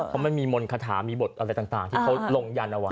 เพราะมันมีมนต์คาถามีบทอะไรต่างที่เขาลงยันเอาไว้